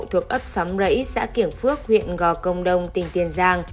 thuộc ấp xóm rẫy xã kiểng phước huyện gò công đông tỉnh tiền giang